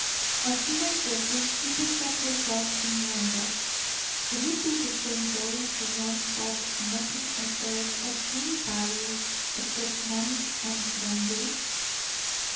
While she was dressing she looked at herself in wonder; could it be the same Doris who once thought nothing on earth of any value except money and grandeur?